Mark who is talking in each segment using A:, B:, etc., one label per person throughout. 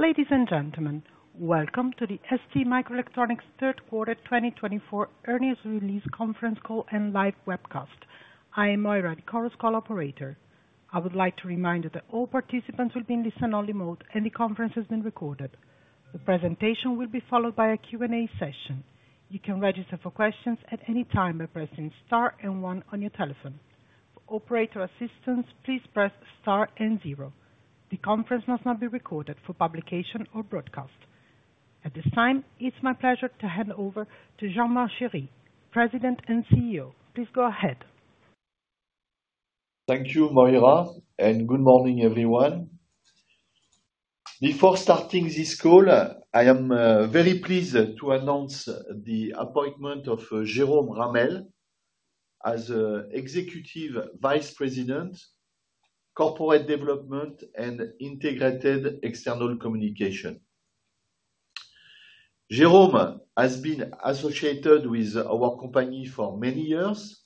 A: Ladies and gentlemen, welcome to the STMicroelectronics 3rd Quarter 2024 earnings release conference call and live webcast. I am Moira, the Chorus call operator. I would like to remind you that all participants will be in listen-only mode and the conference has been recorded. The presentation will be followed by a Q&A session. You can register for questions at any time by pressing star and 1 on your telephone. For operator assistance, please press star and 0. The conference must not be recorded for publication or broadcast. At this time, it's my pleasure to hand over to Jean-Marc Chery, President and CEO. Please go ahead.
B: Thank you, Moira, and good morning, everyone. Before starting this call, I am very pleased to announce the appointment of Jerome Ramel as Executive Vice President, Corporate Development and Integrated External Communication. Jerome has been associated with our company for many years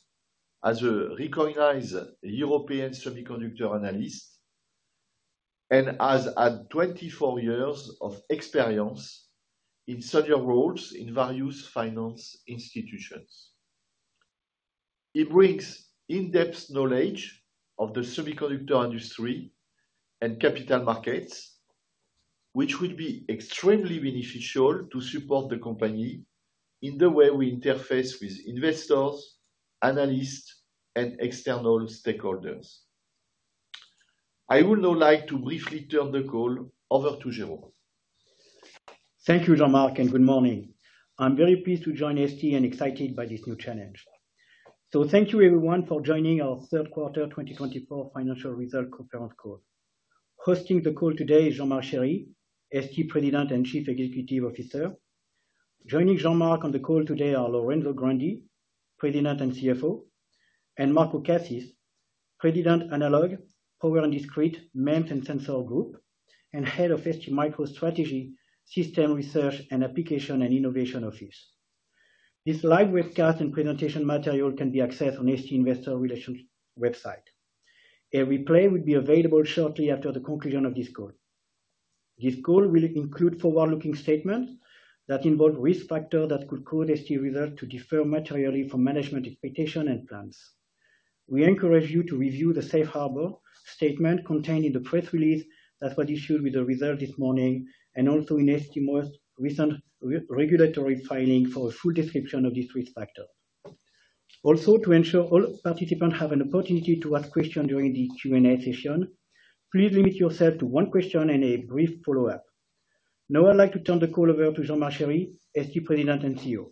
B: as a recognized European semiconductor analyst and has had 24 years of experience in senior roles in various finance institutions. He brings in-depth knowledge of the semiconductor industry and capital markets, which will be extremely beneficial to support the company in the way we interface with investors, analysts, and external stakeholders. I would now like to briefly turn the call over to Jerome.
C: Thank you, Jean-Marc, and good morning. I'm very pleased to join ST and excited by this new challenge. Thank you, everyone, for joining our Third Quarter 2024 financial result conference call. Hosting the call today is Jean-Marc Chery, ST President and Chief Executive Officer. Joining Jean-Marc on the call today are Lorenzo Grandi, President and CFO, and Marco Cassis, President Analog, Power and Discrete, MEMS and Sensor Group, and Head of STMicro Strategy, System Research and Application and Innovation Office. This live webcast and presentation material can be accessed on ST Investor Relations website. A replay will be available shortly after the conclusion of this call. This call will include forward-looking statements that involve risk factors that could cause ST results to differ materially from management expectations and plans. We encourage you to review the Safe Harbor statement contained in the press release that was issued with the result this morning and also in STM's most recent regulatory filing for a full description of these risk factors. Also, to ensure all participants have an opportunity to ask questions during the Q&A session, please limit yourself to one question and a brief follow-up. Now I'd like to turn the call over to Jean-Marc Chery, ST President and CEO.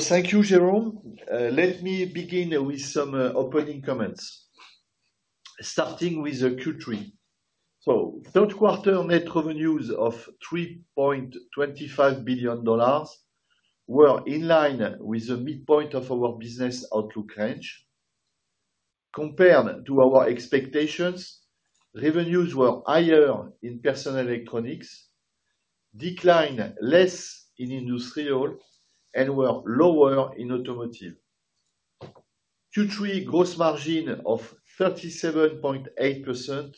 B: Thank you, Jerome. Let me begin with some opening comments, starting with Q3. Third Quarter net revenues of $3.25 billion were in line with the midpoint of our business outlook range. Compared to our expectations, revenues were higher in personal electronics, declined less in industrial, and were lower in automotive. Q3 gross margin of 37.8%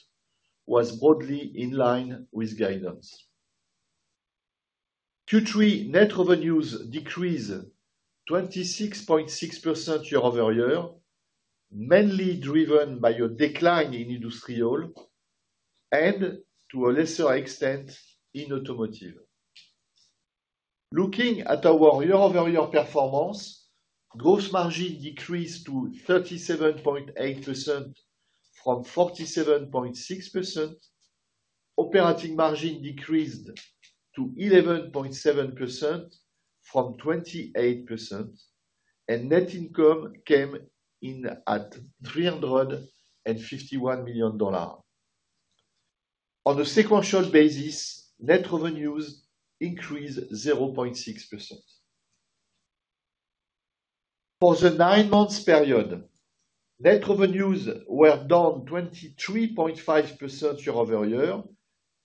B: was broadly in line with guidance. Q3 net revenues decreased 26.6% year over year, mainly driven by a decline in industrial and, to a lesser extent, in automotive. Looking at our year-over-year performance, gross margin decreased to 37.8% from 47.6%, operating margin decreased to 11.7% from 28%, and net income came in at $351 million. On a sequential basis, net revenues increased 0.6%. For the nine-month period, net revenues were down 23.5% year over year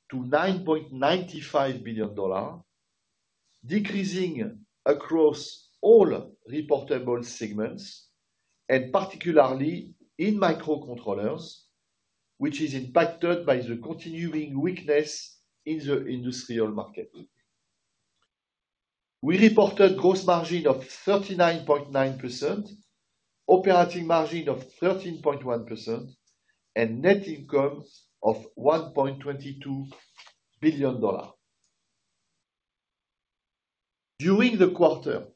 B: to $9.95 billion, decreasing across all reportable segments, and particularly in microcontrollers, which is impacted by the continuing weakness in the industrial market. We reported gross margin of 39.9%, operating margin of 13.1%, and net income of $1.22 billion. During the quarter,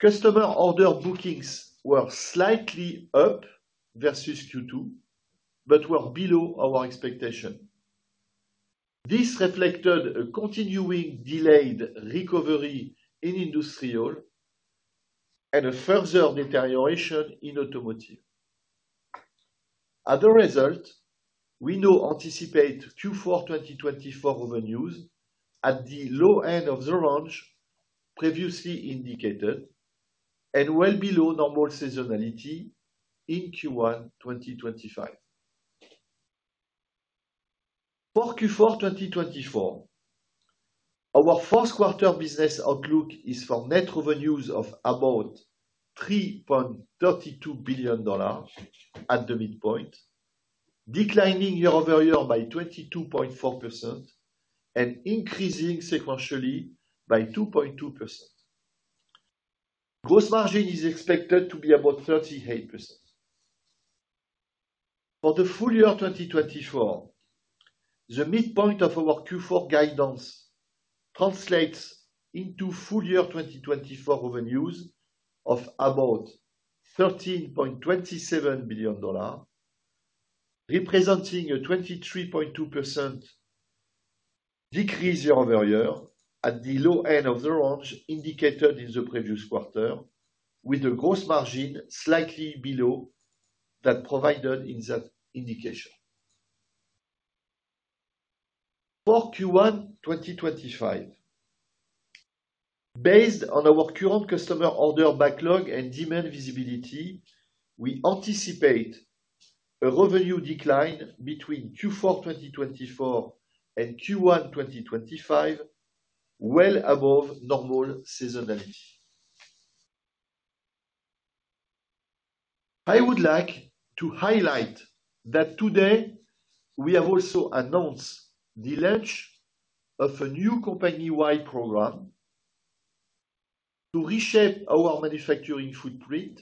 B: customer order bookings were slightly up versus Q2, but were below our expectation. This reflected a continuing delayed recovery in industrial and a further deterioration in automotive. As a result, we now anticipate Q4 2024 revenues at the low end of the range previously indicated and well below normal seasonality in Q1 2025. For Q4 2024, our fourth quarter business outlook is for net revenues of about $3.32 billion at the midpoint, declining year over year by 22.4% and increasing sequentially by 2.2%. Gross margin is expected to be about 38%. For the full year 2024, the midpoint of our Q4 guidance translates into full year 2024 revenues of about $13.27 billion, representing a 23.2% decrease year over year at the low end of the range indicated in the previous quarter, with a gross margin slightly below that provided in that indication. For Q1 2025, based on our current customer order backlog and demand visibility, we anticipate a revenue decline between Q4 2024 and Q1 2025 well above normal seasonality. I would like to highlight that today we have also announced the launch of a new company-wide program to reshape our manufacturing footprint,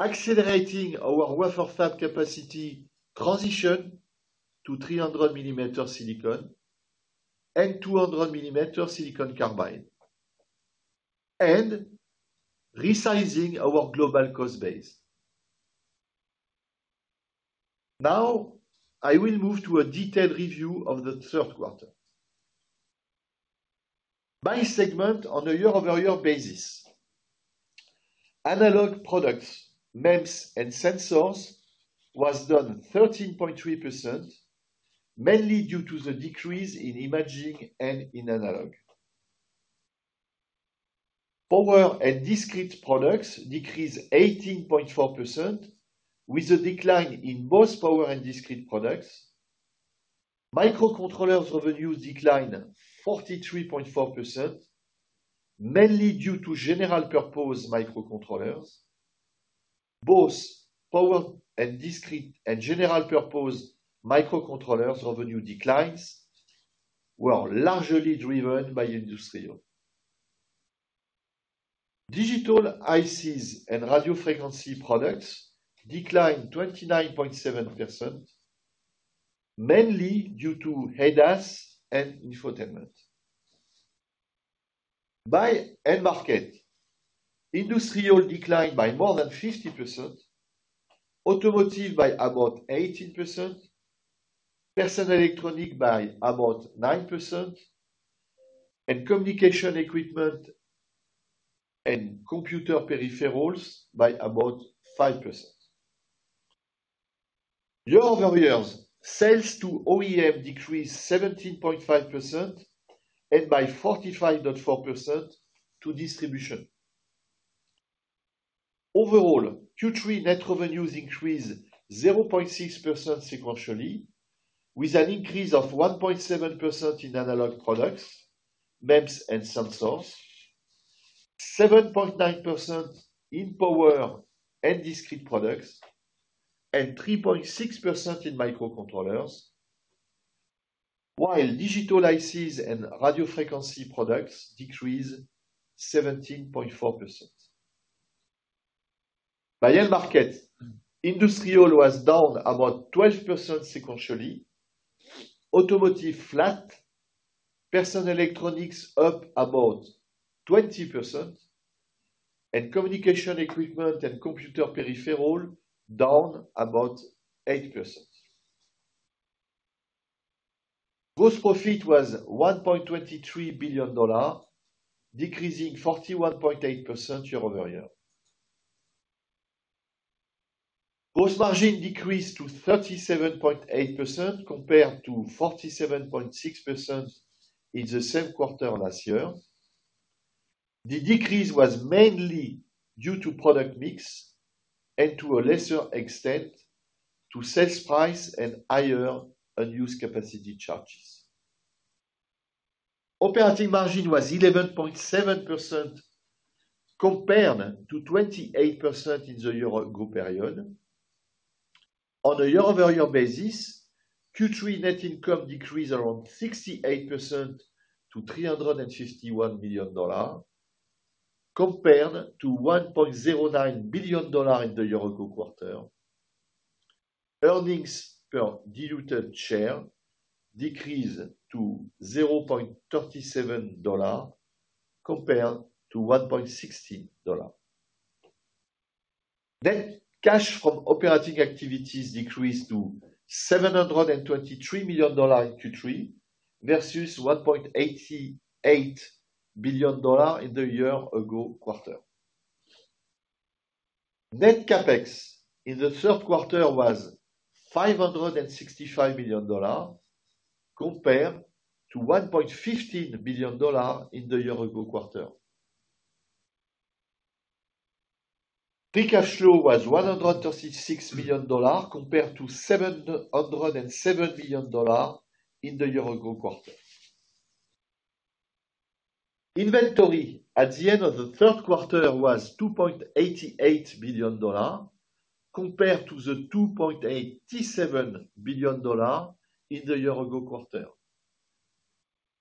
B: accelerating our wafer fab capacity transition to 300mm silicon and 200mm silicon carbide, and resizing our global cost base. Now, I will move to a detailed review of the third quarter. By segment on a year-over-year basis, analog products, MEMS, and sensors was down 13.3%, mainly due to the decrease in imaging and in analog. Power and discrete products decreased 18.4%, with a decline in both power and discrete products. Microcontrollers revenues declined 43.4%, mainly due to general purpose microcontrollers. Both power and general purpose microcontrollers revenue declines were largely driven by industrial. Digital ICs and radio frequency products declined 29.7%, mainly due to headsets and infotainment. By end market, industrial declined by more than 50%, automotive by about 18%, personal electronics by about 9%, and communication equipment and computer peripherals by about 5%. Year-over-year, sales to OEM decreased 17.5% and by 45.4% to distribution. Overall, Q3 net revenues increased 0.6% sequentially, with an increase of 1.7% in analog products, MEMS and sensors, 7.9% in power and discrete products, and 3.6% in microcontrollers, while digital ICs and radio frequency products decreased 17.4%. By end market, industrial was down about 12% sequentially, automotive flat, personal electronics up about 20%, and communication equipment and computer peripherals down about 8%. Gross profit was $1.23 billion, decreasing 41.8% year over year. Gross margin decreased to 37.8% compared to 47.6% in the same quarter last year. The decrease was mainly due to product mix and, to a lesser extent, to sales price and higher unused capacity charges. Operating margin was 11.7% compared to 28% in the year-over-year period. On a year-over-year basis, Q3 net income decreased around 68% to $351 million compared to $1.09 billion in the year-over-year quarter. Earnings per diluted share decreased to $0.37 compared to $1.16. Net cash from operating activities decreased to $723 million in Q3 versus $1.88 billion in the year-ago quarter. Net CapEx in the 3rd quarter was $565 million compared to $1.15 billion in the year-ago quarter. Free cash flow was $136 million compared to $707 million in the year-ago quarter. Inventory at the end of the 3rd quarter was $2.88 billion compared to the $2.87 billion in the year-ago quarter.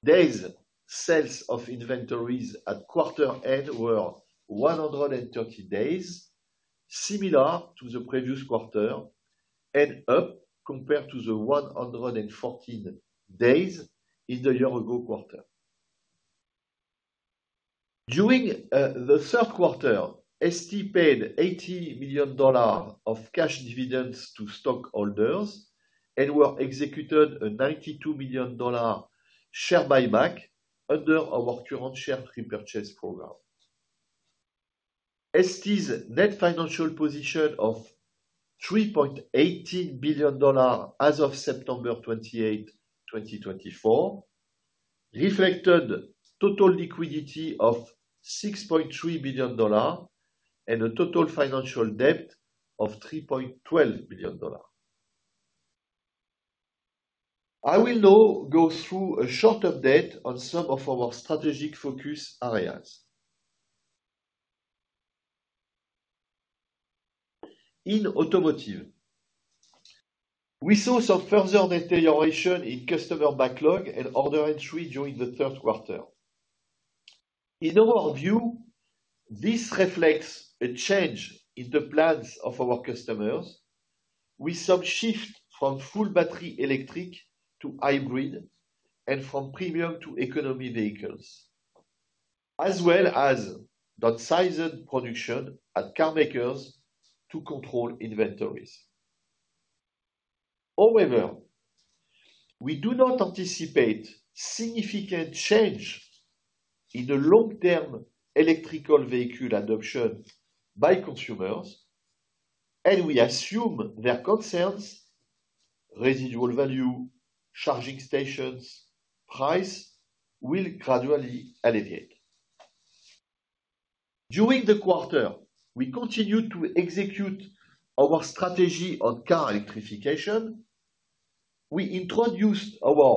B: Days sales of inventories at quarter end were 130 days, similar to the previous quarter, and up compared to the 114 days in the year-ago quarter. During the 3rd quarter, ST paid $80 million of cash dividends to stockholders and executed a $92 million share buyback under our current share repurchase program. ST's net financial position of $3.18 billion as of September 28, 2024, reflected total liquidity of $6.3 billion and a total financial debt of $3.12 billion. I will now go through a short update on some of our strategic focus areas. In automotive, we saw some further deterioration in customer backlog and order entry during the third quarter. In our view, this reflects a change in the plans of our customers with some shift from full battery electric to hybrid and from premium to economy vehicles, as well as downsizing production at car makers to control inventories. However, we do not anticipate significant change in the long-term electric vehicle adoption by consumers, and we assume their concerns regarding residual value, charging stations, and price will gradually alleviate. During the quarter, we continued to execute our strategy on car electrification. We introduced our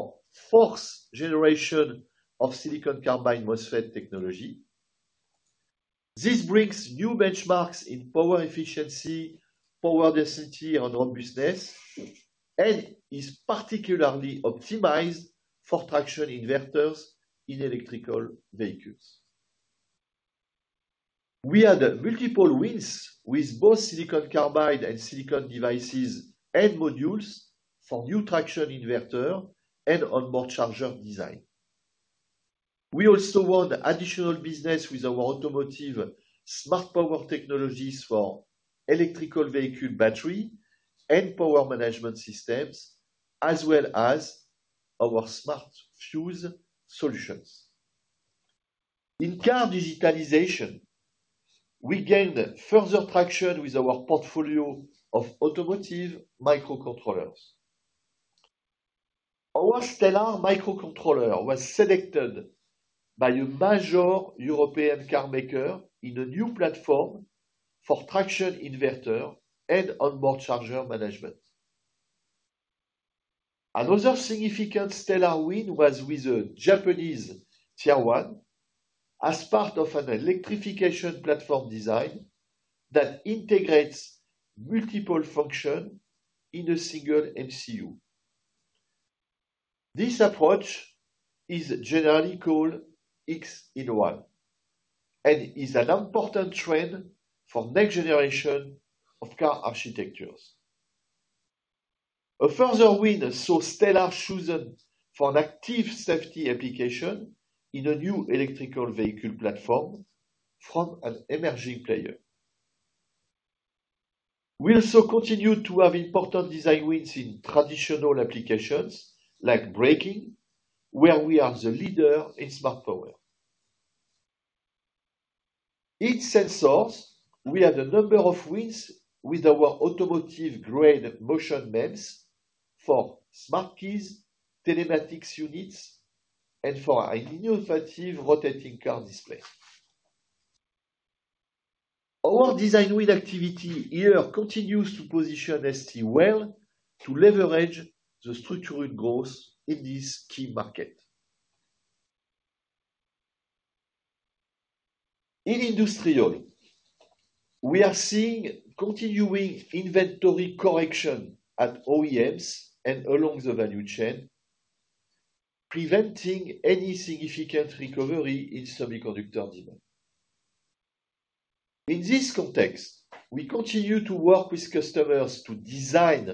B: fourth generation of silicon carbide MOSFET technology. This brings new benchmarks in power efficiency, power density, and robustness, and is particularly optimized for traction inverters in electric vehicles. We had multiple wins with both silicon carbide and silicon devices and modules for new traction inverter and onboard charger design. We also won additional business with our automotive smart power technologies for electrical vehicle battery and power management systems, as well as our smart fuse solutions. In car digitalization, we gained further traction with our portfolio of automotive microcontrollers. Our Stellar microcontroller was selected by a major European car maker in a new platform for traction inverter and onboard charger management. Another significant Stellar win was with a Japanese Tier 1 as part of an electrification platform design that integrates multiple functions in a single MCU. This approach is generally called X-in-1 and is an important trend for next generation of car architectures. A further win saw Stellar chosen for an active safety application in a new electrical vehicle platform from an emerging player. We also continue to have important design wins in traditional applications like braking, where we are the leader in smart power. In sensors, we had a number of wins with our automotive-grade motion MEMS for smart keys, telematics units, and for a new innovative rotating car display. Our design win activity here continues to position ST well to leverage the structured growth in this key market. In industrial, we are seeing continuing inventory correction at OEMs and along the value chain, preventing any significant recovery in semiconductor demand. In this context, we continue to work with customers to design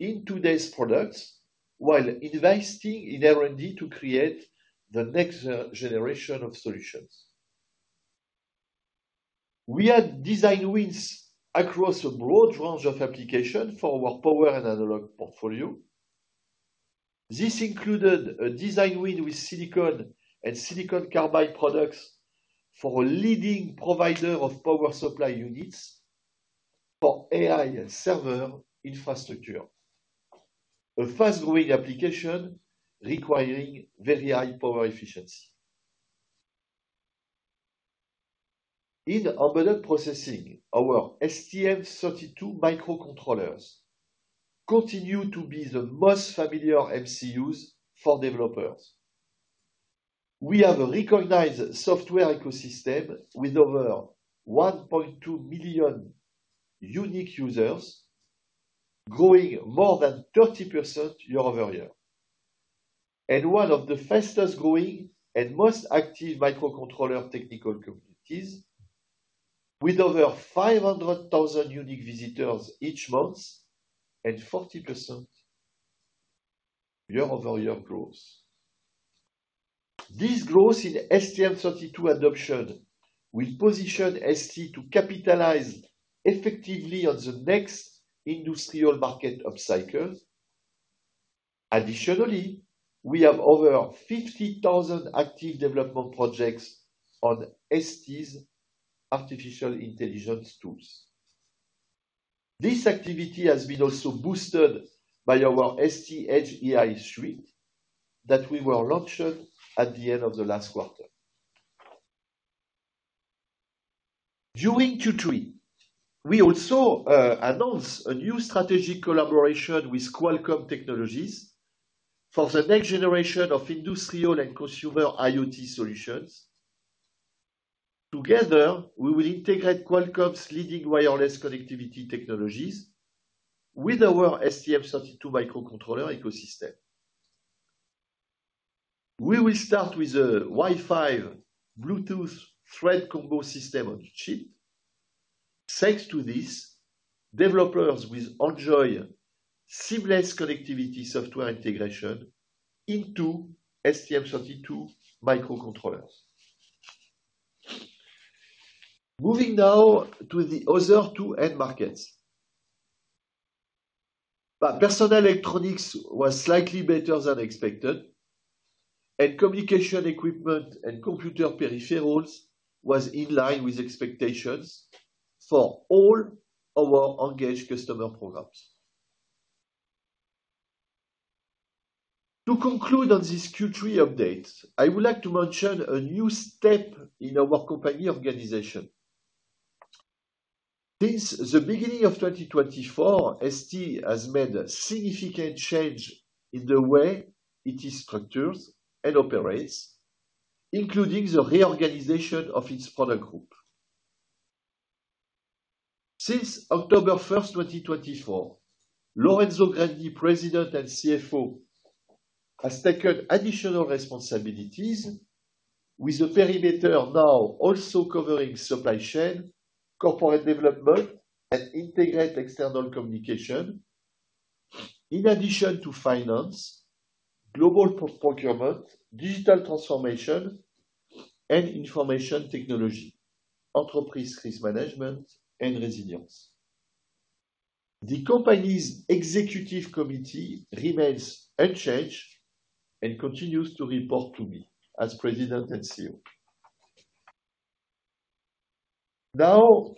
B: in today's products while investing in R&D to create the next generation of solutions. We had design wins across a broad range of applications for our power and analog portfolio. This included a design win with silicon and silicon carbide products for a leading provider of power supply units for AI and server infrastructure, a fast-growing application requiring very high power efficiency. In embedded processing, our STM32 microcontrollers continue to be the most familiar MCUs for developers. We have a recognized software ecosystem with over 1.2 million unique users, growing more than 30% year-over-year, and one of the fastest-growing and most active microcontroller technical communities, with over 500,000 unique visitors each month and 40% year-over-year growth. This growth in STM32 adoption will position ST to capitalize effectively on the next industrial market upcycle. Additionally, we have over 50,000 active development projects on ST's artificial intelligence tools. This activity has been also boosted by our ST Edge AI suite that we launched at the end of the last quarter. During Q3, we also announced a new strategic collaboration with Qualcomm Technologies for the next generation of industrial and consumer IoT solutions. Together, we will integrate Qualcomm's leading wireless connectivity technologies with our STM32 microcontroller ecosystem. We will start with a Wi-Fi Bluetooth Thread Combo system on the chip. Thanks to this, developers will enjoy seamless connectivity software integration into STM32 microcontrollers. Moving now to the other two end markets, personal electronics was slightly better than expected, and communication equipment and computer peripherals were in line with expectations for all our engaged customer programs. To conclude on this Q3 update, I would like to mention a new step in our company organization. Since the beginning of 2024, ST has made significant changes in the way it is structured and operates, including the reorganization of its product group. Since October 1, 2024, Lorenzo Grandi, President and CFO, has taken additional responsibilities, with the perimeter now also covering supply chain, corporate development, and integrated external communication, in addition to finance, global procurement, digital transformation, and information technology, enterprise risk management, and resilience. The company's executive committee remains unchanged and continues to report to me as President and CEO.
D: Now,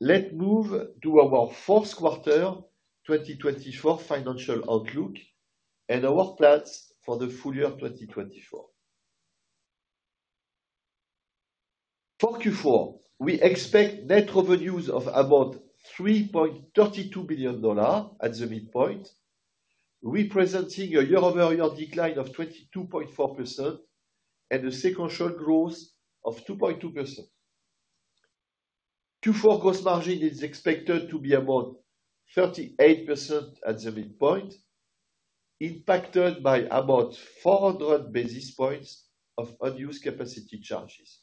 D: let's move to our Q4 2024 financial outlook and our plans for the full year 2024. For Q4, we expect net revenues of about $3.32 billion at the midpoint, representing a year-over-year decline of 22.4% and a sequential growth of 2.2%. Q4 gross margin is expected to be about 38% at the midpoint, impacted by about 400 basis points of unused capacity charges.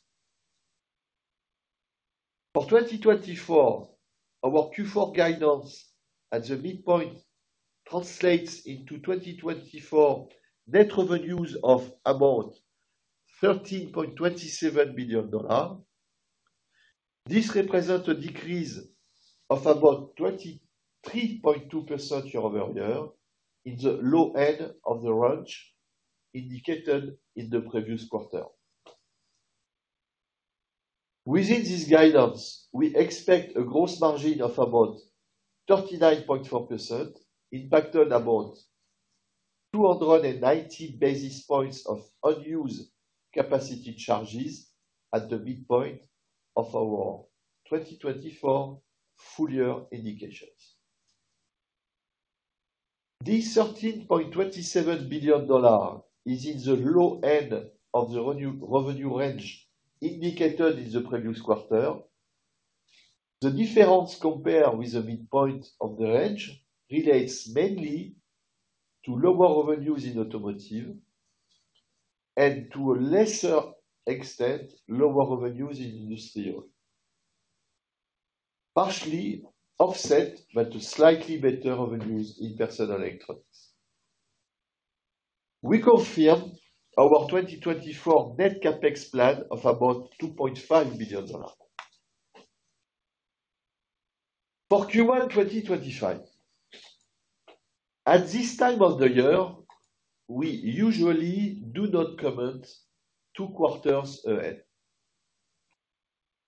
D: For 2024, our Q4 guidance at the midpoint translates into 2024 net revenues of about $13.27 billion. This represents a decrease of about 23.2% year-over-year in the low end of the range indicated in the previous quarter. Within this guidance, we expect a gross margin of about 39.4%, impacted about 290 basis points of unused capacity charges at the midpoint of our 2024 full year indications. This $13.27 billion is in the low end of the revenue range indicated in the previous quarter. The difference compared with the midpoint of the range relates mainly to lower revenues in automotive and, to a lesser extent, lower revenues in industrial, partially offset by the slightly better revenues in personal electronics. We confirmed our 2024 net CapEx plan of about $2.5 billion. For Q1 2025, at this time of the year, we usually do not comment two quarters ahead.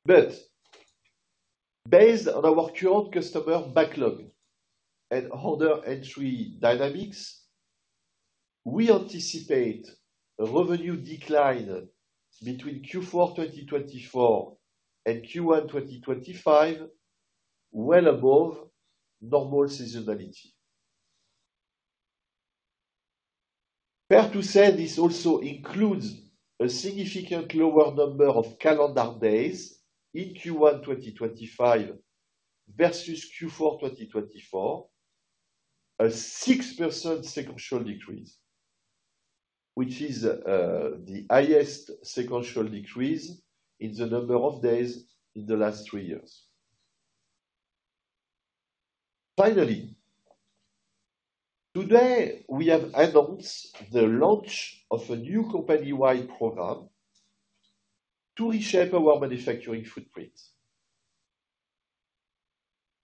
D: But based on our current customer backlog and order entry dynamics, we anticipate a revenue decline between Q4 2024 and Q1 2025 well above normal seasonality. Fair to say this also includes a significant lower number of calendar days in Q1 2025 versus Q4 2024, a 6% sequential decrease, which is the highest sequential decrease in the number of days in the last three years. Finally, today, we have announced the launch of a new company-wide program to reshape our manufacturing footprint.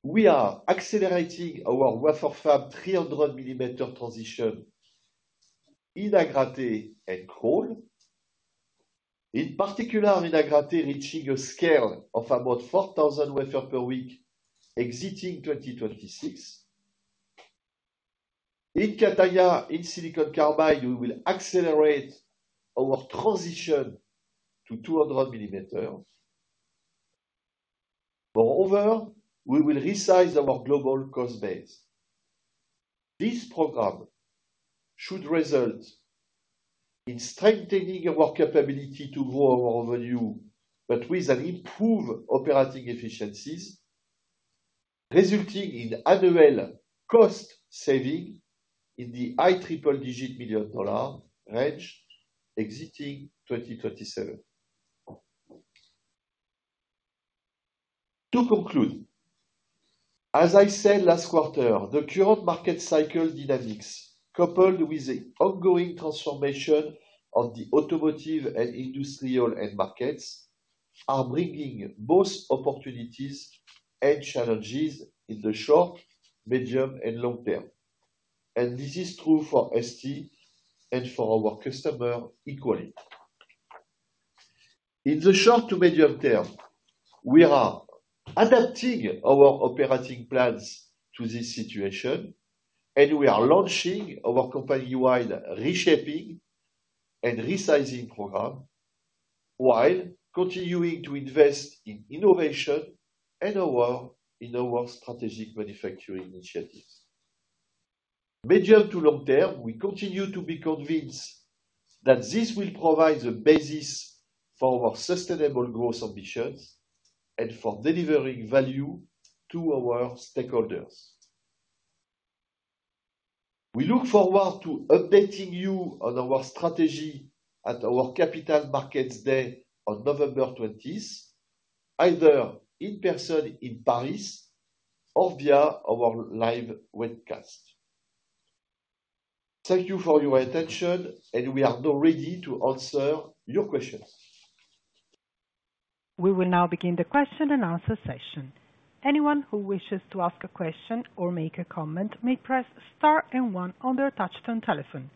D: We are accelerating our wafer fab 300 transition in Agrate and Crolles, in particular in Agrate, reaching a scale of about 4,000 wafers per week exiting 2026. In Catania, in silicon carbide, we will accelerate our transition to 200mm. Moreover, we will resize our global cost base. This program should result in strengthening our capability to grow our revenue, but with improved operating efficiencies, resulting in annual cost savings in the high triple-digit million dollar range exiting 2027. To conclude, as I said last quarter, the current market cycle dynamics, coupled with the ongoing transformation in the automotive and industrial end markets, are bringing both opportunities and challenges in the short, medium, and long term. This is true for ST and for our customers equally. In the short to medium term, we are adapting our operating plans to this situation, and we are launching our company-wide reshaping and resizing program while continuing to invest in innovation and our strategic manufacturing initiatives. Medium to long term, we continue to be convinced that this will provide the basis for our sustainable growth ambitions and for delivering value to our stakeholders. We look forward to updating you on our strategy at our Capital Markets Day on November 20, either in person in Paris or via our live webcast. Thank you for your attention, and we are now ready to answer your questions.
A: We will now begin the question and answer session. Anyone who wishes to ask a question or make a comment may press Star and One on their touch-tone telephone.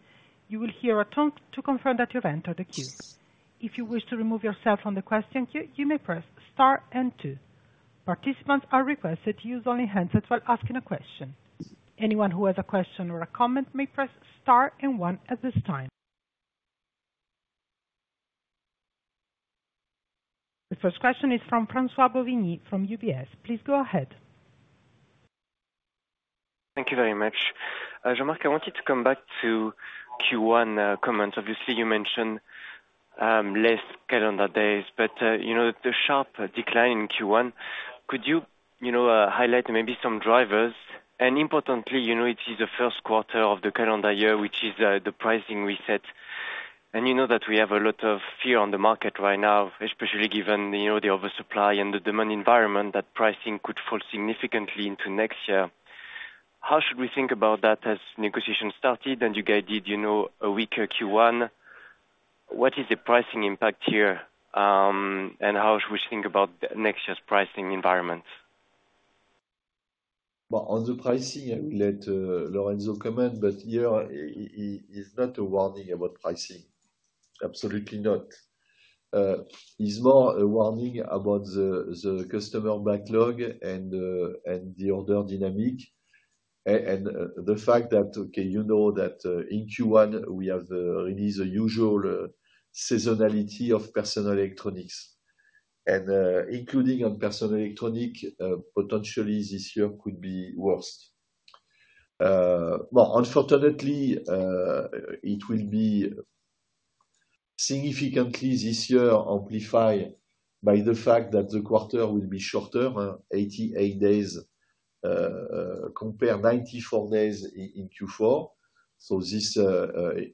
A: You will hear a tone to confirm that you have entered the queue. If you wish to remove yourself from the question queue, you may press Star and Two. Participants are requested to use only handsets while asking a question. Anyone who has a question or a comment may press Star and One at this time. The first question is from François-Xavier Bouvignies from UBS. Please go ahead.
E: Thank you very much. Jean-Marc, I wanted to come back to Q1 comments. Obviously, you mentioned less calendar days, but the sharp decline in Q1, could you highlight maybe some drivers? And importantly, it is the first quarter of the calendar year, which is the pricing reset. And you know that we have a lot of fear on the market right now, especially given the oversupply and the demand environment, that pricing could fall significantly into next year. How should we think about that as negotiations started and you guided a weaker Q1? What is the pricing impact here? And how should we think about next year's pricing environment?
B: On the pricing, I will let Lorenzo comment, but here is not a warning about pricing. Absolutely not. It's more a warning about the customer backlog and the order dynamic and the fact that, you know that in Q1, we have released the usual seasonality of personal electronics. And including on personal electronics, potentially this year could be worse. Unfortunately, it will be significantly this year amplified by the fact that the quarter will be shorter, 88 days compared to 94 days in Q4. This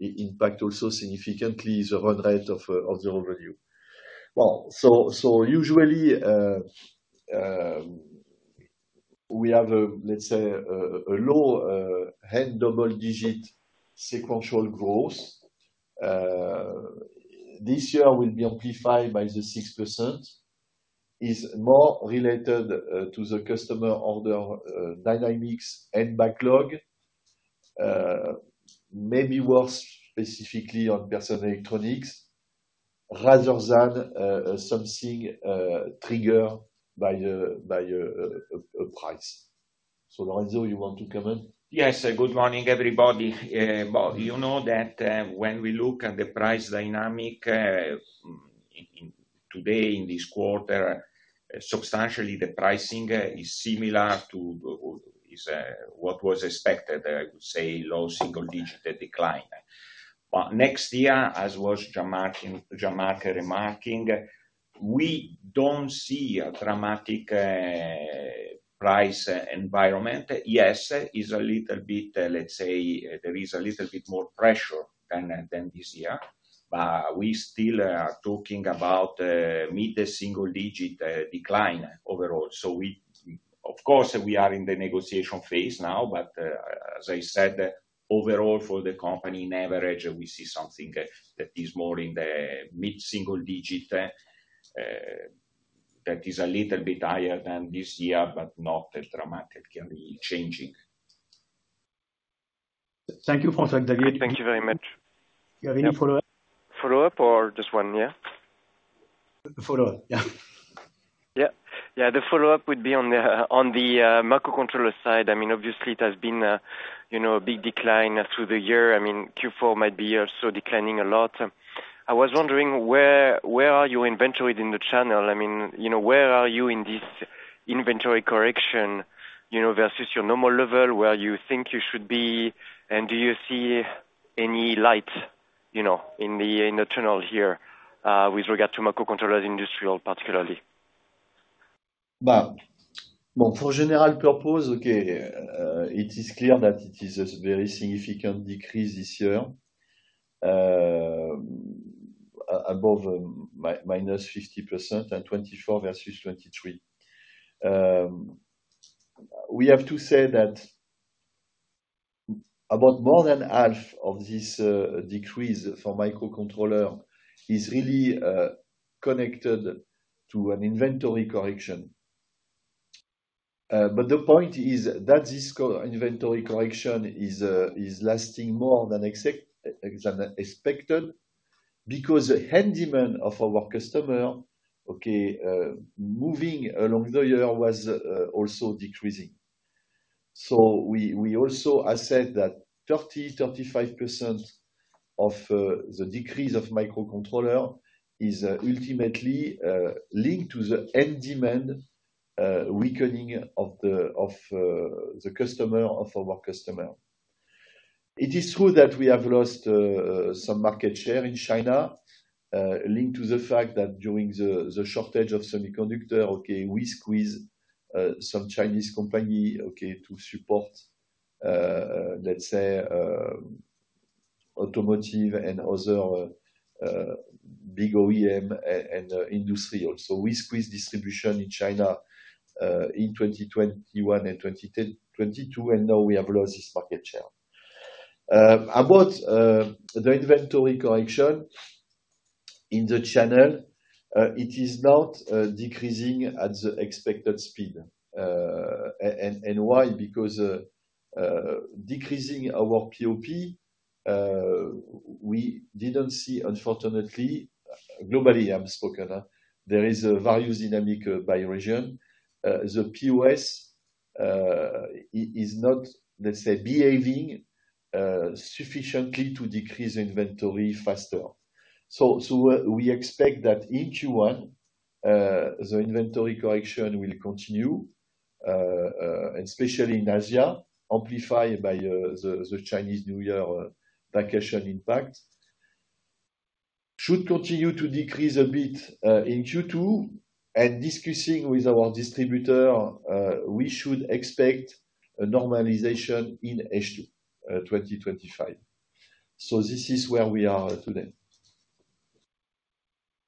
B: impact also significantly is a run rate of the revenue. Usually, we have, let's say, a low hand double-digit sequential growth. This year will be amplified by the 6%. It's more related to the customer order dynamics and backlog, maybe worse specifically on personal electronics, rather than something triggered by a price. Lorenzo, you want to comment?
D: Yes. Good morning, everybody. You know that when we look at the price dynamic today in this quarter, substantially the pricing is similar to what was expected, I would say, low single-digit decline. But next year, as was Jean-Marc remarking, we don't see a dramatic price environment. Yes, it's a little bit, let's say, there is a little bit more pressure than this year, but we still are talking about mid to single-digit decline overall. So, of course, we are in the negotiation phase now, but as I said, overall, for the company, in average, we see something that is more in the mid single-digit that is a little bit higher than this year, but not a dramatically changing. Thank you, François Xavier. Thank you very much. Do you have any follow-up?
E: Follow-up or just one? Yeah? Follow-up, yeah. Yeah. Yeah, the follow-up would be on the microcontroller side. I mean, obviously, it has been a big decline through the year. I mean, Q4 might be also declining a lot. I was wondering, where are you inventory in the channel? I mean, where are you in this inventory correction versus your normal level? Where do you think you should be? Do you see any light in the tunnel here with regard to microcontrollers industrial, particularly?
B: For General Purpose, it is clear that it is a very significant decrease this year, above minus 50% in 2024 versus 2023. We have to say that about more than half of this decrease for microcontrollers is really connected to an inventory correction. The point is that this inventory correction is lasting more than expected because the demand of our customer, moving along the year was also decreasing. We also assess that 30% to 35% of the decrease of microcontrollers is ultimately linked to the handset weakening of the customer, of our customer. It is true that we have lost some market share in China, linked to the fact that during the shortage of semiconductors, we squeezed some Chinese companies to support automotive and other big OEM and industrial. We squeezed distribution in China in 2021 and 2022, and now we have lost this market share. About the inventory correction in the channel, it is not decreasing at the expected speed. And why? Because decreasing our POP, we didn't see, unfortunately, globally, I'm speaking, there is a value dynamic by region. The POS is not behaving sufficiently to decrease inventory faster. We expect that in Q1, the inventory correction will continue, especially in Asia, amplified by the Chinese New Year vacation impact. It should continue to decrease a bit in Q2. Discussing with our distributor, we should expect a normalization in H2 2025. This is where we are today.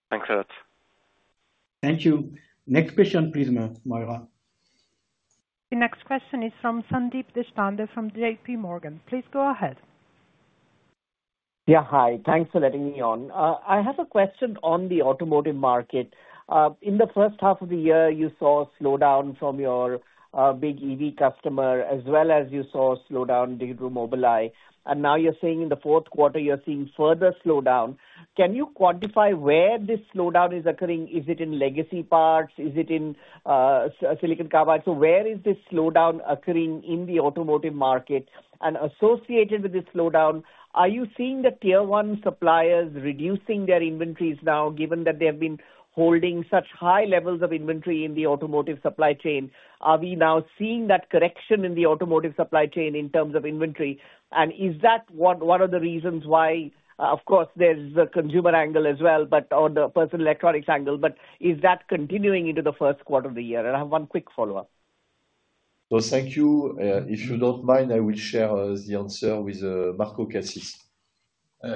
B: Thanks a lot.
C: Thank you. Next question, please, Moira.
A: The next question is from Sandeep Deshpande from JPMorgan. Please go ahead.
F: Hi. Thanks for letting me on. I have a question on the automotive market. In the first half of the year, you saw a slowdown from your big EV customer, as well as you saw a slowdown in Digital Mobile. Now you're saying in the fourth quarter, you're seeing further slowdown. Can you quantify where this slowdown is occurring? Is it in legacy parts? Is it in silicon carbide? Where is this slowdown occurring in the automotive market? Associated with this slowdown, are you seeing the tier one suppliers reducing their inventories now, given that they have been holding such high levels of inventory in the automotive supply chain? Are we now seeing that correction in the automotive supply chain in terms of inventory? Is that one of the reasons why, of course, there's the consumer angle as well, but on the personal electronics angle? Is that continuing into the first quarter of the year? I have one quick follow-up.
B: Thank you. If you don't mind, I will share the answer with Marco Cassis.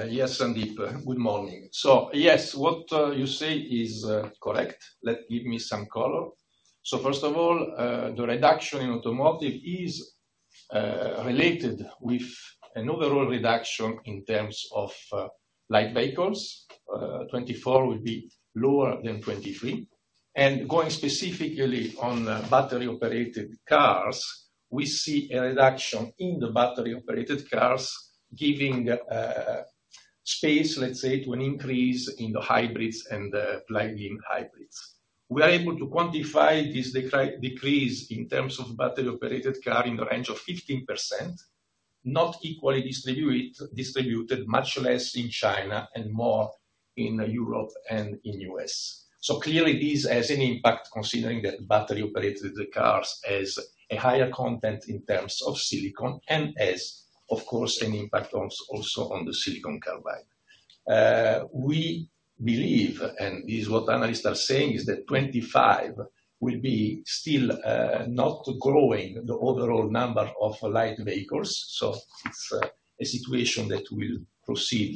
B: Yes, Sandeep. Good morning. Yes, what you say is correct. Let me give you some color. First of all, the reduction in automotive is related with an overall reduction in terms of light vehicles. 2024 will be lower than 2023. Going specifically on battery-operated cars, we see a reduction in the battery-operated cars, giving space to an increase in the hybrids and plug-in hybrids. We are able to quantify this decrease in terms of battery-operated car in the range of 15%, not equally distributed, much less in China and more in Europe and in the US. Clearly, this has an impact considering that battery-operated cars have a higher content in terms of silicon and has, of course, an impact also on the silicon carbide. We believe, and this is what analysts are saying, is that 2025 will be still not growing the overall number of light vehicles. It's a situation that will proceed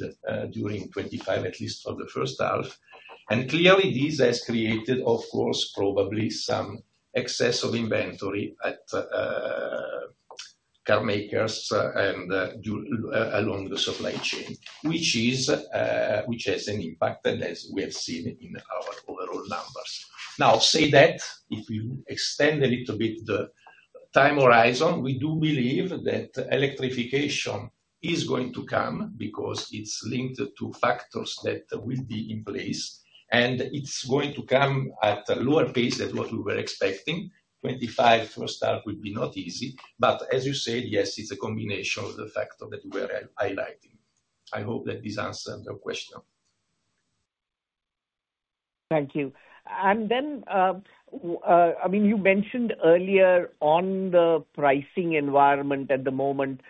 B: during 2025, at least for the first half. Clearly, this has created, of course, probably some excess of inventory at car makers and along the supply chain, which has an impact, as we have seen in our overall numbers. Now, say that if we extend a little bit the time horizon, we do believe that electrification is going to come because it's linked to factors that will be in place. It's going to come at a lower pace than what we were expecting. 2025 first half will be not easy. As you said, yes, it's a combination of the factors that we are highlighting. I hope that this answers your question.
F: Thank you. You mentioned earlier on the pricing environment at the moment.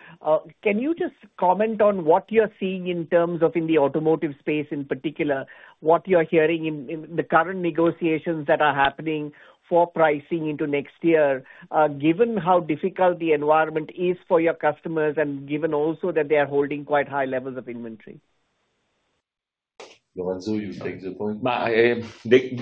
F: Can you just comment on what you're seeing in terms of the automotive space in particular, what you're hearing in the current negotiations that are happening for pricing into next year, given how difficult the environment is for your customers and given also that they are holding quite high levels of inventory?
B: Lorenzo, you take the point.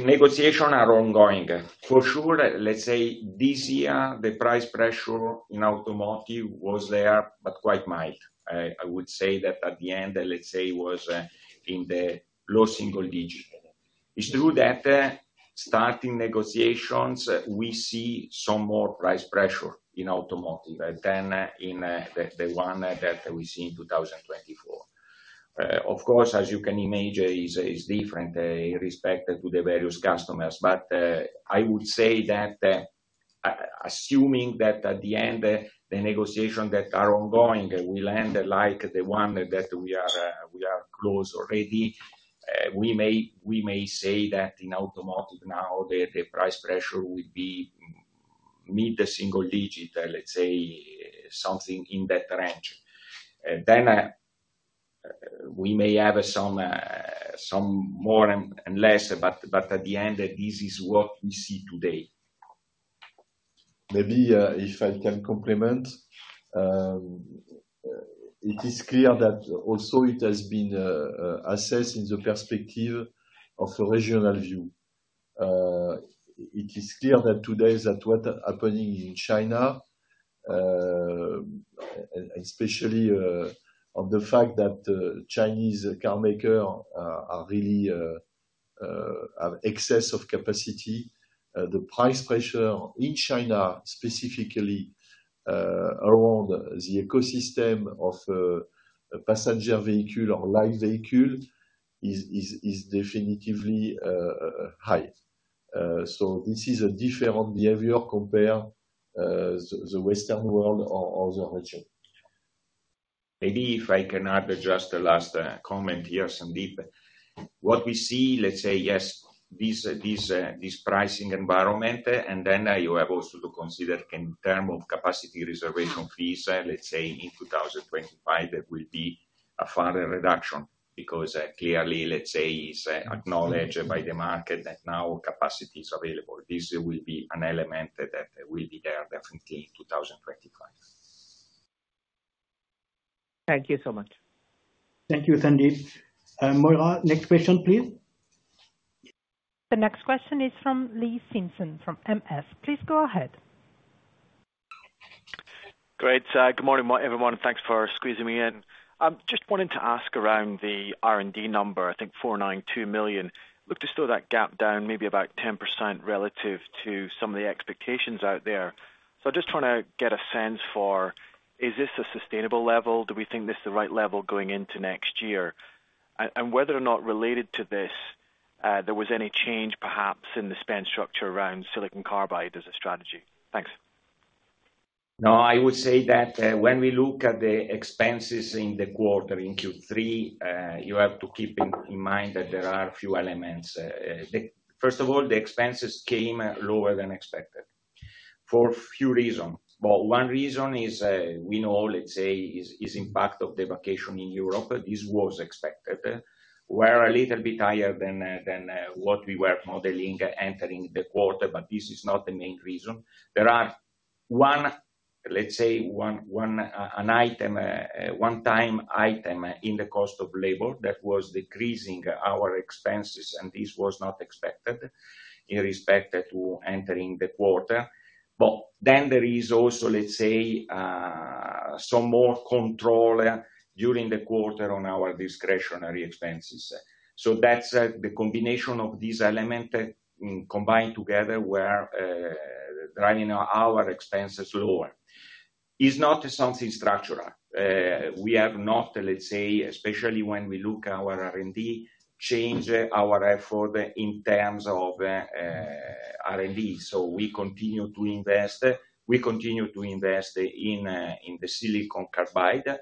D: Negotiations are ongoing. For sure, this year, the price pressure in automotive was there, but quite mild. I would say that at the end, it was in the low single digit. It's true that starting negotiations, we see some more price pressure in automotive than the one that we see in 2024. Of course, as you can imagine, it's different with respect to the various customers. I would say that assuming that at the end, the negotiations that are ongoing will end like the one that we are close already, we may say that in automotive now, the price pressure will be mid to single digit, let's say, something in that range. Then we may have some more and less, but at the end, this is what we see today. Maybe if I can complement, it is clear that also it has been assessed in the perspective of a regional view. It is clear that today is what's happening in China, especially on the fact that Chinese car makers really have excess of capacity. The price pressure in China, specifically around the ecosystem of passenger vehicle or light vehicle, is definitively high. This is a different behavior compared to the Western world or the region. Maybe if I can add just the last comment here, Sandeep. What we see, let's say, yes, this pricing environment, and then you have also to consider in terms of capacity reservation fees, let's say, in 2025, there will be a further reduction because clearly, let's say, it's acknowledged by the market that now capacity is available. This will be an element that will be there definitely in 2025. Thank you so much. Thank you, Sandeep. Moira, next question, please.
A: The next question is from Lee Simpson from MS. Please go ahead.
G: Great. Good morning, everyone. Thanks for squeezing me in. I'm just wanting to ask around the R&D number, I think $492 million. Look to slow that gap down maybe about 10% relative to some of the expectations out there. I'm just trying to get a sense for, is this a sustainable level? Do we think this is the right level going into next year? And whether or not related to this, there was any change perhaps in the spend structure around silicon carbide as a strategy? Thanks.
D: No, I would say that when we look at the expenses in the quarter, in Q3, you have to keep in mind that there are a few elements. First of all, the expenses came lower than expected for a few reasons. One reason is we know is impact of the vacation in Europe. This was expected. We're a little bit higher than what we were modeling entering the quarter, but this is not the main reason. There are one item, one-time item in the cost of labor that was decreasing our expenses, and this was not expected in respect to entering the quarter. But then there is also some more control during the quarter on our discretionary expenses. So that's the combination of these elements combined together that are driving our expenses lower. It's not something structural. We have not, especially when we look at our R&D, changed our effort in terms of R&D. So we continue to invest. We continue to invest in the silicon carbide,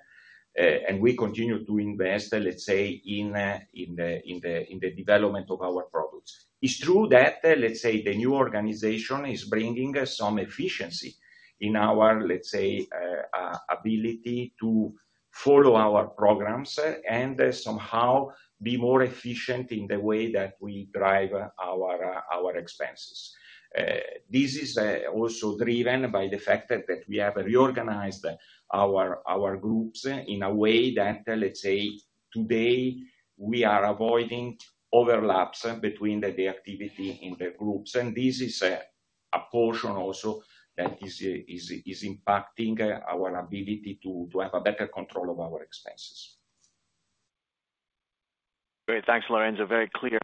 D: and we continue to invest in the development of our products. It's true that the new organization is bringing some efficiency in our ability to follow our programs and somehow be more efficient in the way that we drive our expenses. This is also driven by the fact that we have reorganized our groups in a way that today, we are avoiding overlaps between the activity in the groups. This is a portion also that is impacting our ability to have a better control of our expenses.
G: Great. Thanks, Lorenzo. Very clear.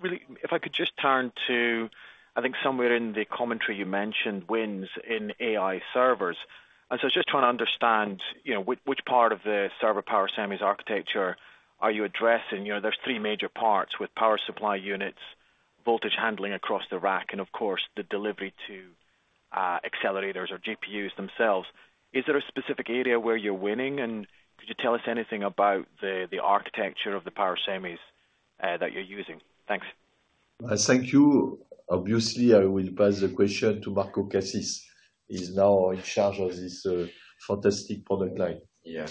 G: Really, if I could just turn to, I think somewhere in the commentary you mentioned wins in AI servers. Just trying to understand which part of the server power semis architecture are you addressing. There's three major parts with power supply units, voltage handling across the rack, and of course, the delivery to accelerators or GPUs themselves. Is there a specific area where you're winning? Could you tell us anything about the architecture of the power semis that you're using? Thanks.
C: Thank you. Obviously, I will pass the question to Marco Cassis. He's now in charge of this fantastic product line. Yeah.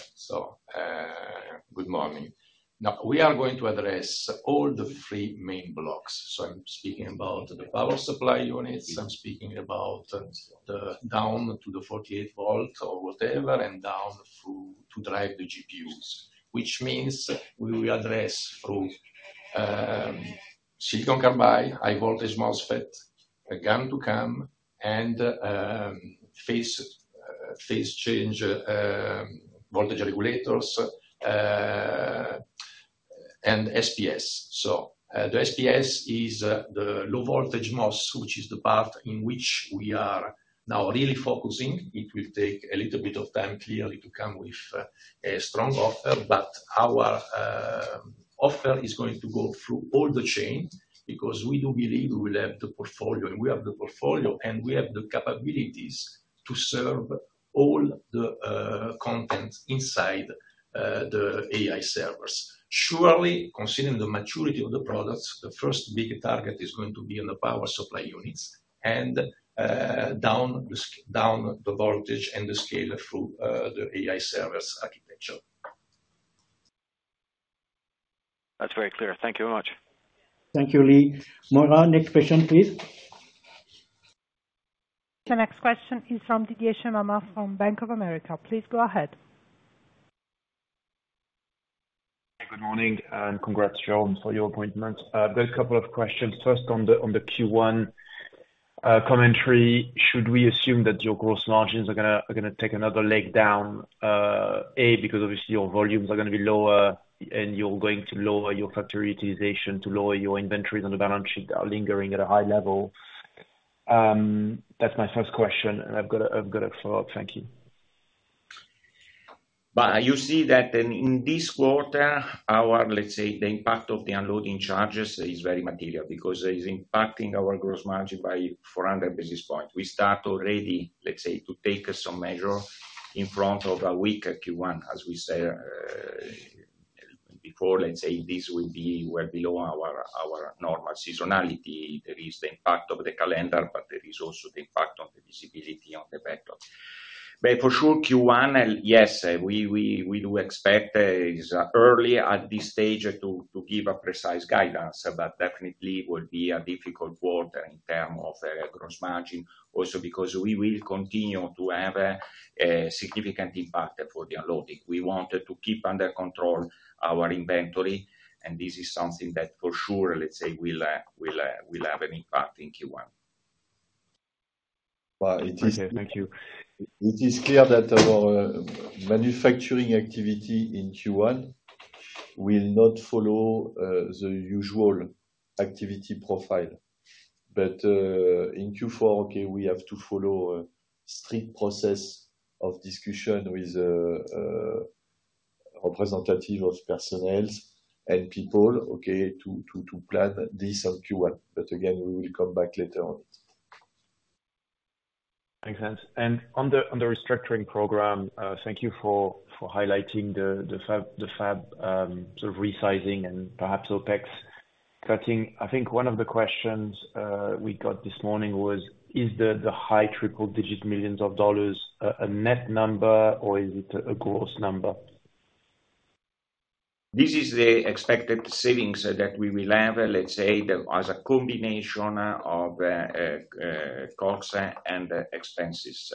C: Good morning. Now, we are going to address all the three main blocks. I'm speaking about the power supply units. I'm speaking about the down to the 48 volt or whatever and down to drive the GPUs, which means we will address through silicon carbide, high voltage MOSFET, GaN, and phase change voltage regulators and SPS. The SPS is the low voltage MOS, which is the part in which we are now really focusing. It will take a little bit of time clearly to come with a strong offer, but our offer is going to go through all the chain because we do believe we will have the portfolio, and we have the portfolio, and we have the capabilities to serve all the content inside the AI servers. Considering the maturity of the products, the first big target is going to be on the power supply units and down the voltage and the scale through the AI servers architecture.
G: That's very clear. Thank you very much. Thank you, Lee. Moira, next question, please.
A: The next question is from Didier Scemama from Bank of America. Please go ahead.
H: Good morning and congrats for your appointment. I've got a couple of questions. First, on the Q1 commentary, should we assume that your gross margins are going to take another leg down? Because obviously your volumes are going to be lower and you're going to lower your factory utilization to lower your inventories on the balance sheet that are lingering at a high level. That's my first question. I've got a follow-up. Thank you.
C: You see that in this quarter, our, let's say, the impact of the unloading charges is very material because it's impacting our gross margin by 400 basis points. We start already, let's say, to take some measures in front of a weaker Q1, as we said before. Let's say this will be well below our normal seasonality. There is the impact of the calendar, but there is also the impact on the visibility on the backlog. But for sure, Q1, yes, we do expect early at this stage to give a precise guidance, but definitely will be a difficult quarter in terms of gross margin, also because we will continue to have a significant impact for the unloading. We wanted to keep under control our inventory, and this is something that for sure, let's say, will have an impact in Q1.
B: Thank you. It is clear that our manufacturing activity in Q1 will not follow the usual activity profile. But in Q4, we have to follow a strict process of discussion with representatives of personnel and people to plan this on Q1. But again, we will come back later on it. Makes sense. On the restructuring program, thank you for highlighting the fab sort of resizing and perhaps OPEX cutting. I think one of the questions we got this morning was, is the high triple digit millions of dollars a net number or is it a gross number?
D: This is the expected savings that we will have as a combination of costs and expenses.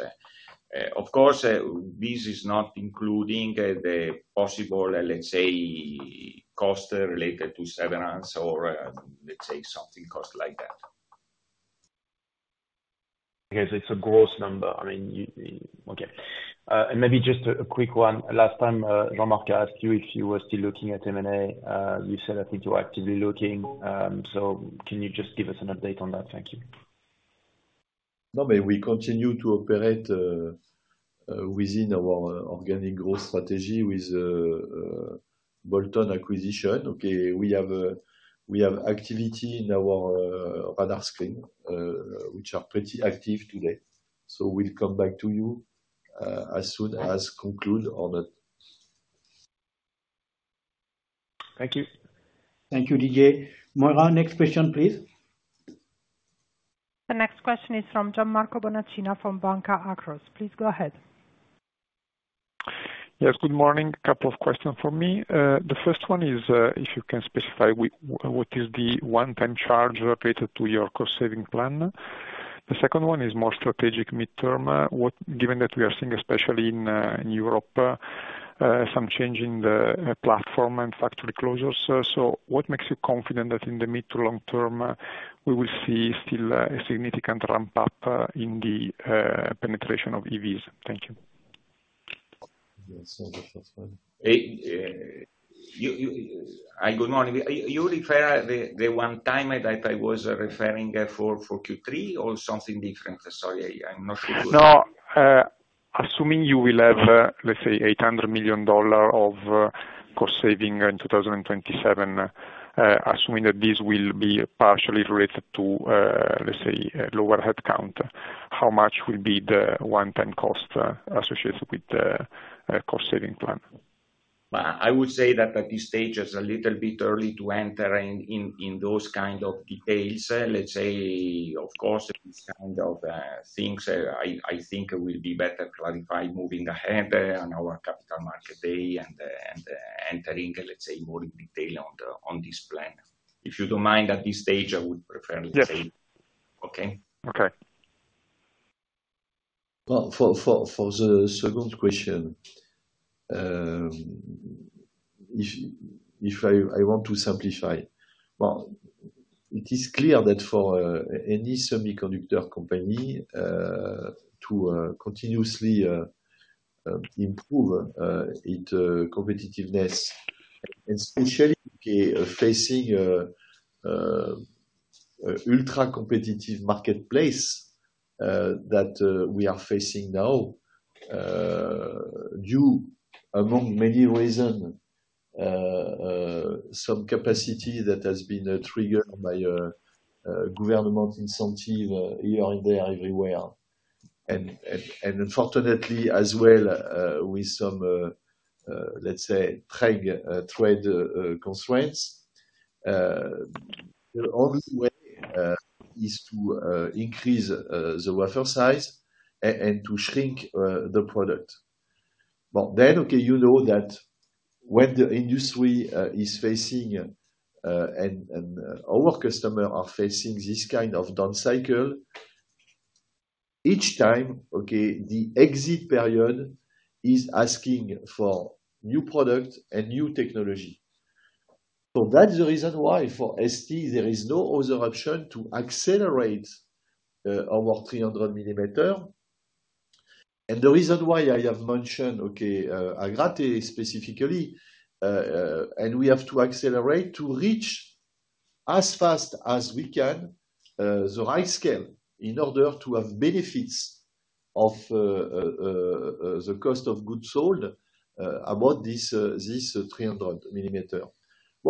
D: Of course, this is not including the possible cost related to severance or something cost like that. Because it's a gross number. I mean, okay. Maybe just a quick one. Last time, Jean-Marc asked you if you were still looking at M&A. You said that you're actively looking. So can you just give us an update on that? Thank you.
B: No, but we continue to operate within our organic growth strategy with bolt-on acquisition. We have activity in our radar screen, which are pretty active today. So we'll come back to you as soon as we conclude on it. Thank you. Thank you, Didier. Moira, next question, please.
A: The next question is from John Marco Bonaccina from Banca Akros. Please go ahead.
I: Yes, good morning. Couple of questions for me. The first one is if you can specify what is the one-time charge related to your cost-saving plan. The second one is more strategic mid-term, given that we are seeing, especially in Europe, some change in the platform and factory closures. So what makes you confident that in the mid to long term, we will see still a significant ramp-up in the penetration of EVs? Thank you.
D: Good morning. You refer the one time that I was referring for Q3 or something different? Sorry, I'm not sure.
I: No, assuming you will have, let's say, $800 million of cost-saving in 2027, assuming that this will be partially related to, let's say, lower headcount, how much will be the one-time cost associated with the cost-saving plan?
C: I would say that at this stage is a little bit early to enter in those kind of details. Let's say, of course, these kind of things, I think, will be better clarified moving ahead on our capital market day and entering, let's say, more detail on this plan. If you don't mind, at this stage, I would prefer, let's say. Okay? Okay.
B: For the second question, if I want to simplify, it is clear that for any semiconductor company to continuously improve its competitiveness, and especially facing an ultra-competitive marketplace that we are facing now, due among many reasons, some capacity that has been triggered by government incentives here and there, everywhere. And unfortunately, as well, with some trade constraints, the only way is to increase the buffer size and to shrink the product. But then, you know that when the industry is facing and our customers are facing this kind of down cycle, each time, the exit period is asking for new products and new technology. So that's the reason why for ST, there is no other option to accelerate our 300 millimeter. The reason why I have mentioned AGRATE specifically, and we have to accelerate to reach as fast as we can the right scale in order to have benefits of the cost of goods sold above this 300 millimeter.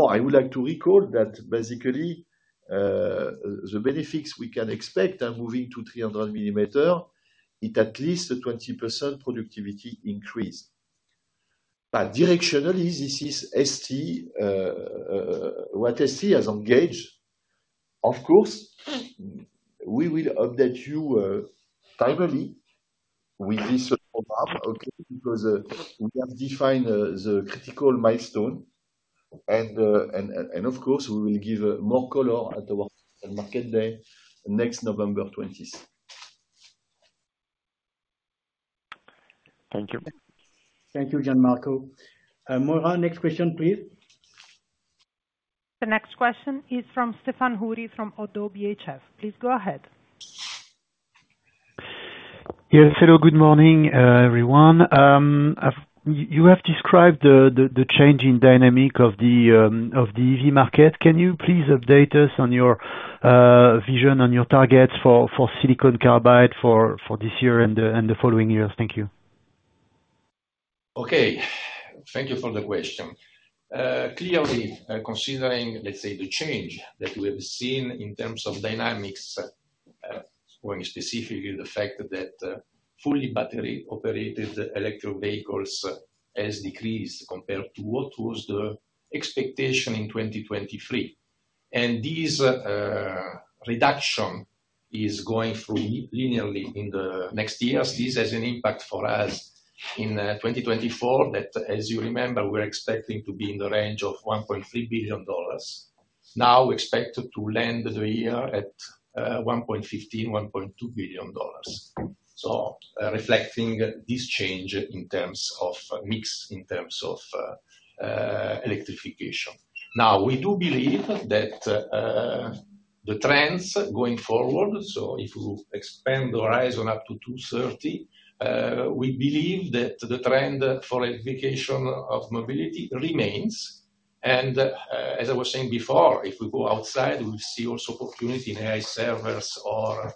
B: I would like to recall that basically the benefits we can expect are moving to 300 millimeter, it at least 20% productivity increase. But directionally, this is ST, what ST has engaged. Of course, we will update you timely with this program, because we have defined the critical milestone. Of course, we will give more color at our market day next November 20th. Thank you. Thank you, Jean-Marco. Moira, next question, please.
A: The next question is from Stephane Houri from ODDO BHF. Please go ahead.
J: Yes, hello, good morning, everyone. You have described the change in dynamic of the EV market. Can you please update us on your vision, on your targets for silicon carbide for this year and the following years? Thank you.
D: Okay. Thank you for the question. Clearly, considering the change that we have seen in terms of dynamics, specifically the fact that fully battery-operated electric vehicles has decreased compared to what was the expectation in 2023. This reduction is going through linearly in the next years. This has an impact for us in 2024 that, as you remember, we're expecting to be in the range of $1.3 billion. Now we expect to land the year at $1.15 billion to $1.2 billion. So reflecting this change in terms of mix in terms of electrification. Now, we do believe that the trends going forward, so if we expand the horizon up to 2030, we believe that the trend for electrification of mobility remains. As I was saying before, if we go outside, we'll see also opportunity in AI servers or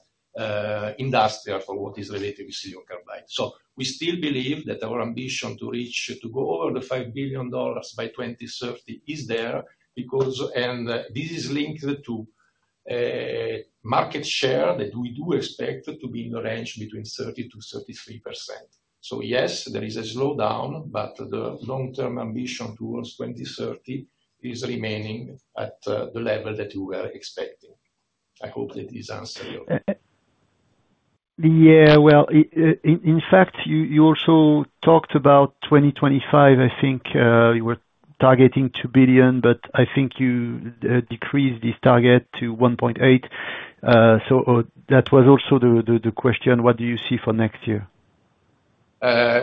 D: industrial for what is related to silicon carbide. We still believe that our ambition to go over the $5 billion by 2030 is there because this is linked to market share that we do expect to be in the range between 30% to 33%. Yes, there is a slowdown, but the long-term ambition towards 2030 is remaining at the level that we were expecting. I hope that this answers your question.
J: Well, in fact, you also talked about 2025. I think you were targeting $2 billion, but I think you decreased this target to $1.8 billion. That was also the question. What do you see for next year?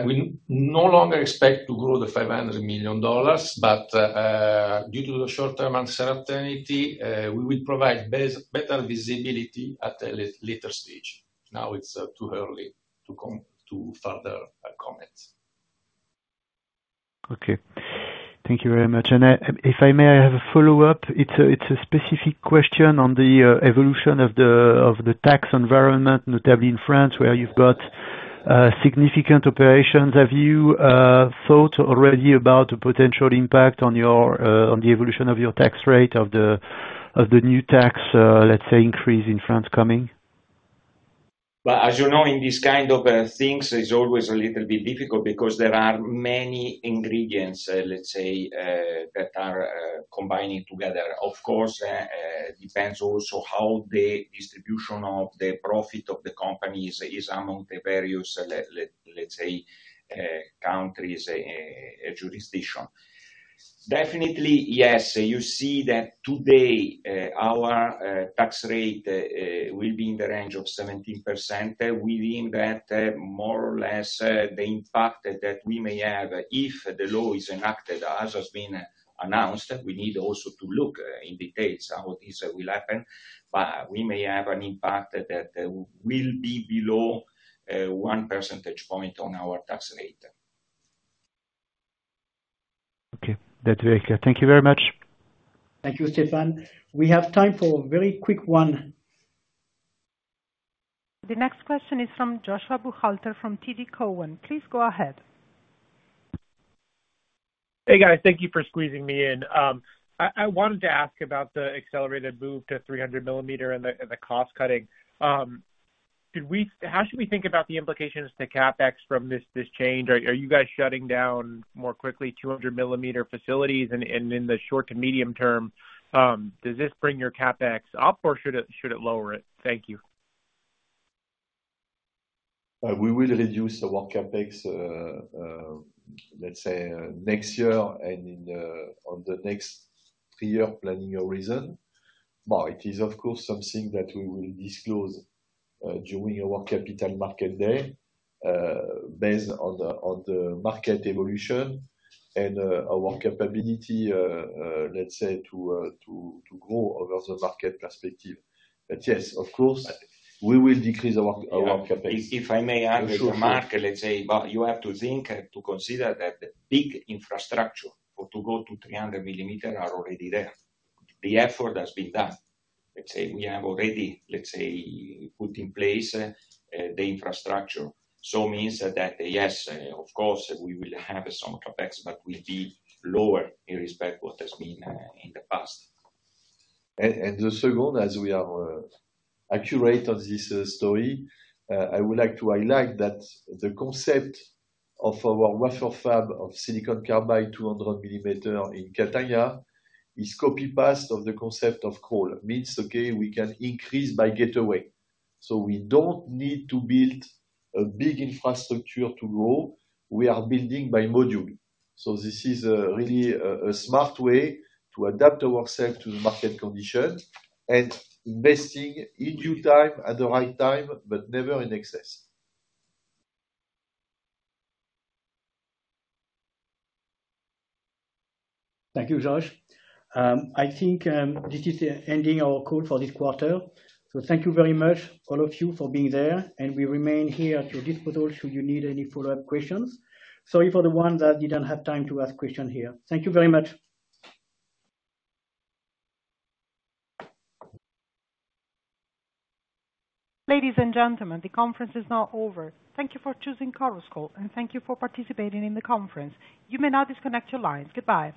D: We no longer expect to grow the $500 million, but due to the short-term uncertainty, we will provide better visibility at a later stage. Now it's too early to further comment. Okay.
J: Thank you very much. If I may, I have a follow-up. It's a specific question on the evolution of the tax environment, notably in France, where you've got significant operations. Have you thought already about the potential impact on the evolution of your tax rate of the new tax increase in France coming?
D: As you know, in these kind of things, it's always a little bit difficult because there are many ingredients that are combining together. Of course, it depends also how the distribution of the profit of the companies is among the various countries' jurisdiction. Definitely, yes. You see that today, our tax rate will be in the range of 17%. We deem that more or less the impact that we may have if the law is enacted, as has been announced. We need also to look in detail how this will happen, but we may have an impact that will be below 1 percentage point on our tax rate.
J: Okay. That's very clear. Thank you very much.
C: Thank you, Stephan. We have time for a very quick one.
A: The next question is from Joshua Buchalter from TD Cowen. Please go ahead.
K: Hey, guys. Thank you for squeezing me in. I wanted to ask about the accelerated move to 300 millimeter and the cost cutting. How should we think about the implications to CapEx from this change? Are you guys shutting down more quickly 200 millimeter facilities? In the short to medium term, does this bring your CapEx up or should it lower it? Thank you.
B: We will reduce our CapEx next year and on the next three-year planning horizon. But it is, of course, something that we will disclose during our capital market day based on the market evolution and our capability to grow over the market perspective. But yes, of course, we will decrease our CapEx. If I may add, Jean-Marc, but you have to think to consider that the big infrastructure to go to 300 millimeter are already there. The effort has been done. We have already put in place the infrastructure. So it means that, yes, of course, we will have some CapEx, but we'll be lower in respect to what has been in the past. The second, as we are accurate on this story, I would like to highlight that the concept of our buffer fab of silicon carbide 200 millimeter in Catania is copy-paste of the concept of crawl. It means we can increase by gateway. We don't need to build a big infrastructure to grow. We are building by module. This is really a smart way to adapt ourselves to the market condition and investing in due time at the right time, but never in excess. Thank you, Josh.
C: I think this is ending our call for this quarter. Thank you very much, all of you, for being there. We remain here at your disposal should you need any follow-up questions. Sorry for the ones that didn't have time to ask questions here. Thank you very much. Ladies and gentlemen, the conference is now over.
A: Thank you for choosing Chorus Call, and thank you for participating in the conference. You may now disconnect your lines. Goodbye.